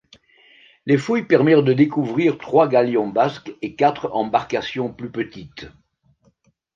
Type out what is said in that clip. Les fouilles permirent de découvrir trois galions basques et quatre embarcations plus petites.